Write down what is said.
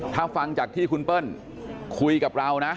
ถ้าฟังจากที่คุณเปิ้ลคุยกับเรานะ